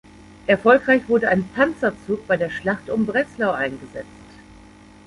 Erfolgreich wurde ein Panzerzug bei der Schlacht um Breslau eingesetzt.